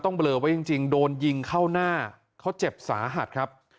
ต้องเบลอว่าจริงจริงโดนยิงเข้าหน้าเขาเจ็บสาหัสครับ